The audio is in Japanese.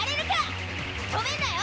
止めんなよ！